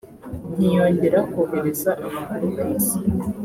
ntiyongera kohereza amakuru ku isi